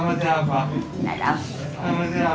kami juga mencari jalan untuk mencari jalan